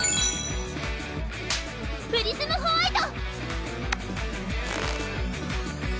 プリズムホワイト！